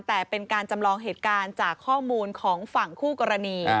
แต่เป็นการจำลองเหตุการณ์จากข้อมูลของฝั่งคู่กรณี